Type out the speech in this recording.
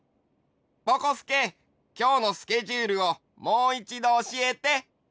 ぼこすけきょうのスケジュールをもういちどおしえて。